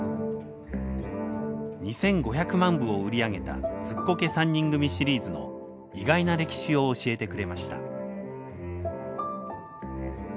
２，５００万部を売り上げた「ズッコケ三人組」シリーズの意外な歴史を教えてくれました。